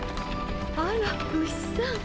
あらウシさん。